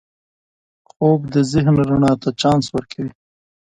خوب د ذهن رڼا ته چانس ورکوي